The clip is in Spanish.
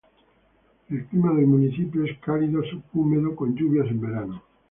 El clima del municipio es cálido subhúmedo con lluvias en verano.